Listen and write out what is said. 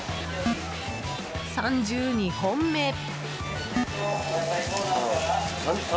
３２本目。